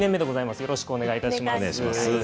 よろしくお願いします。